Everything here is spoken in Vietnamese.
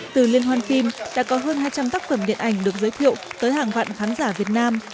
từ liên hoan phim đã có hơn hai trăm linh tác phẩm điện ảnh được giới thiệu tới hàng vạn khán giả việt nam